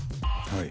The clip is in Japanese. はい。